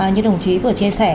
như đồng chí vừa chia sẻ